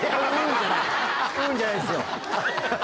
「うん」じゃないっすよ。